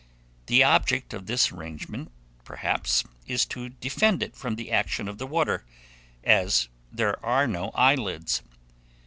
The object of this arrangement, perhaps, is to defend it from the action of the water, as there are no eyelids.